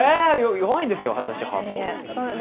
弱いんですよ、私、ハート。